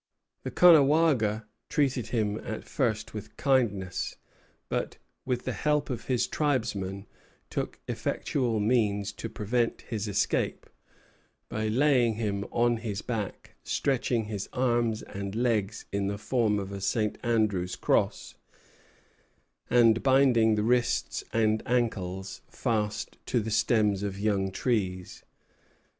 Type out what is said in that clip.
The Caughnawaga treated him at first with kindness; but, with the help of his tribesmen, took effectual means to prevent his escape, by laying him on his back, stretching his arms and legs in the form of a St. Andrew's cross, and binding the wrists and ankles fast to the stems of young trees.